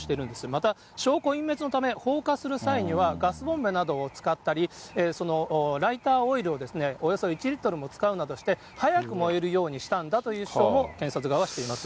また、証拠隠滅のため、放火する際には、ガスボンベなどを使ったりライターオイルをおよそ１リットルも使うなどして、早く燃えるようにしたんだいう主張も検察側はしています。